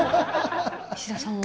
石田さんは？